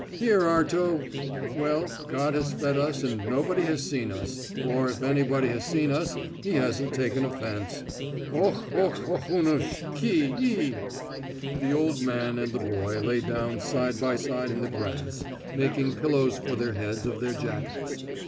Here, Arto! Well, God has fed us and nobody has seen us, or if anybody has seen us he hasn't taken offence.... Okh okh okhonush kee ee!" The old man and the boy lay down side by side in the grass, making pillows for their heads of their jackets.